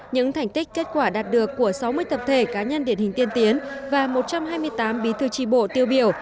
những thành tích kết quả đạt được của sáu mươi tập thể cá nhân điển hình tiên tiến và một trăm hai mươi tám bí thư tri bộ tiêu biểu